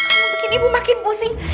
begini ibu makin pusing